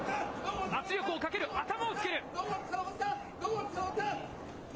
圧力をかける、頭をつける。